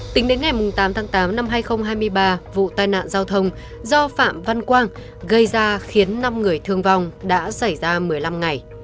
tính đến ngày tám tháng tám năm hai nghìn hai mươi ba vụ tai nạn giao thông do phạm văn quang gây ra khiến năm người thương vong đã xảy ra một mươi năm ngày